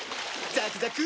ザクザク！